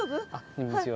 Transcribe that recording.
こんにちは。